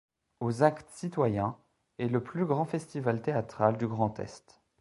Aux Actes Citoyens est le plus grand festival théâtral du Grand-Est.